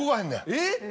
えっ⁉